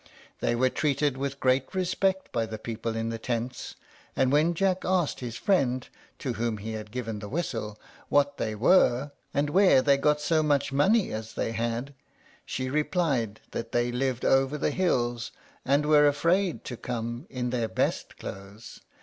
They were treated with great respect by the people in the tents; and when Jack asked his friend to whom he had given the whistle what they were, and where they got so much money as they had, she replied that they lived over the hills, and were afraid to come in their best clothes.